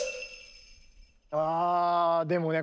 わあでもね